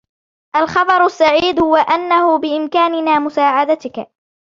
الخبر السعيد هو أنه بإمكاننا مساعدتك.